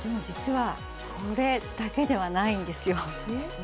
実はこれだけではないんですよ